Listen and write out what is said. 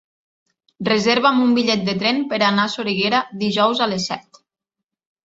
Reserva'm un bitllet de tren per anar a Soriguera dijous a les set.